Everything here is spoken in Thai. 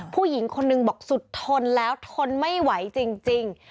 ผู้หญิงคนนึงบอกสุดทนแล้วทนไม่ไหวจริง